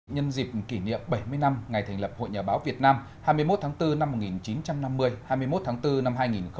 nhân dịp kỷ niệm bảy mươi năm ngày thành lập hội nhà báo việt nam hai mươi một tháng bốn năm một nghìn chín trăm năm mươi hai mươi một tháng bốn năm hai nghìn hai mươi